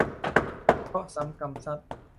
เคราะห์ซ้ำกรรมซัด